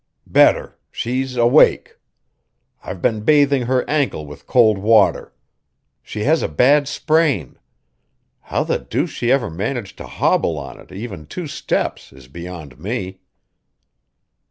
"Better; she's awake. I've been bathing her ankle with cold water. She has a bad sprain; how the deuce she ever managed to hobble on it even two steps is beyond me."